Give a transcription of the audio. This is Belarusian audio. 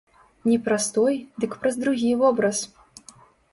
Не праз той, дык праз другі вобраз.